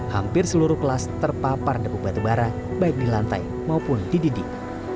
hampir seluruh kelas terpapar debu batu bara baik di lantai maupun di didik